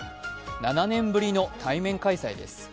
７年ぶりの対面開催です。